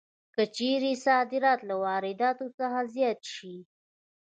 که چېرې صادرات له وارداتو څخه زیات شي